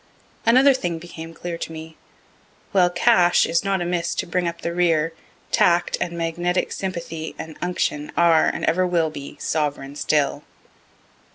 Another thing became clear to me while cash is not amiss to bring up the rear, tact and magnetic sympathy and unction are, and ever will be, sovereign still.